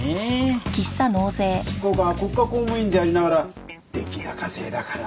執行官は国家公務員でありながら出来高制だから。